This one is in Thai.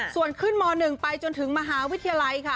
ส่วนขึ้นม๑ไปจนถึงมหาวิทยาลัยค่ะ